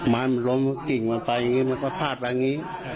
ไม้มันล้มกิ่งมันไปอย่างนี้มันก็พาดมาอย่างนี้